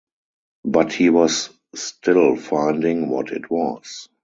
But he was still finding what it was.